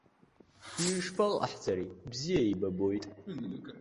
Ишԥаҟаҳҵари, бзиа еибабоит.